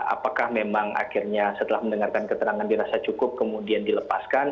apakah memang akhirnya setelah mendengarkan keterangan dirasa cukup kemudian dilepaskan